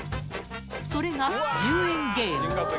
それが１０円ゲーム。